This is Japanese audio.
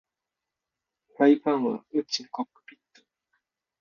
フライパンは宇宙のコックピット